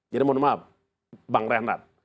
jadi mohon maaf bang rehnardt